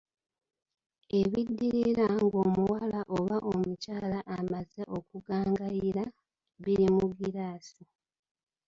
Ebiddirira ng'omuwala oba omukyala amaze okugangayira biri mu giraasi.